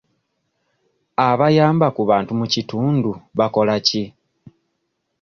Abayamba Ku Bantu mu kitundu bakola ki?